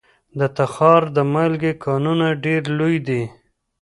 د تخار د مالګې کانونه ډیر لوی دي